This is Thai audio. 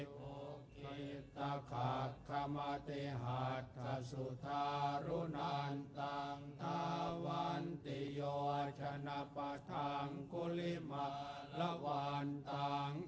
โภคิตขัตขมติฮัตสุทธารุนันตังทาวันติโยชนปะชังกุลิมะละวันตัง